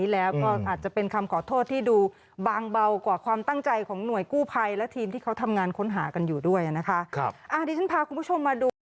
แล้วก็มีแรงดันอากาศแรงดันน้ำทำให้เราตากเส้นเลือดฝ่อยให้ตาแดง